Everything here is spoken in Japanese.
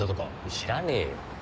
知らねぇよ。